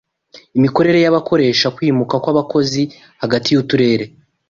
imikorere y'abakoresha kwimuka kw'abakozi hagati y'uturere